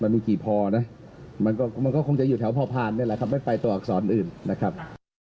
มันก็คงจะอยู่แถวพอพานนี่แหละครับไม่ตายตัวอักษรอื่นนะครับ